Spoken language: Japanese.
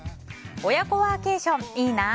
親子ワーケーション、いいな。